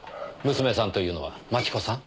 娘さんというのは真智子さん？